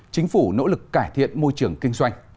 chính phủ nỗ lực cải thiện môi trường kinh doanh